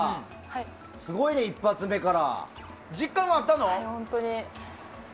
すごいね、１発目から。